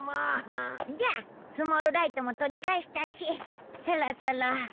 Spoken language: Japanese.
じゃあスモールライトも取り返したしそろそろ。